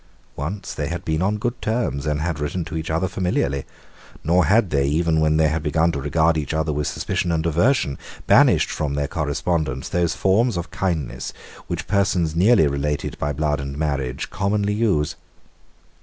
Once they had been on good terms and had written to each other familiarly; nor had they, even when they had begun to regard each other with suspicion and aversion, banished from their correspondence those forms of kindness which persons nearly related by blood and marriage commonly use.